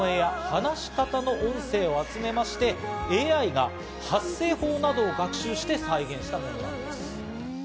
ひばりさんの生前の歌声や、話し方の音声を集めまして、ＡＩが発声法などを学習して再現したものなんです。